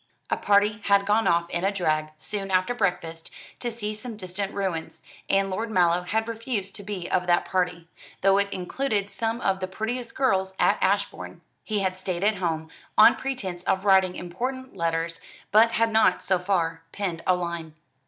A party had gone off in a drag, soon after breakfast, to see some distant ruins; and Lord Mallow had refused to be of that party, though it included some of the prettiest girls at Ashbourne. He had stayed at home, on pretence of writing important letters, but had not, so far, penned a line.